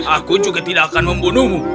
aku juga tidak akan membunuhmu